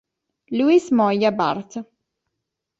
Luis Moglia Barth